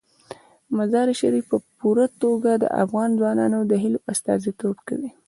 مزارشریف په پوره توګه د افغان ځوانانو د هیلو استازیتوب کوي.